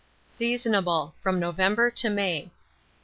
Seasonable from November to May.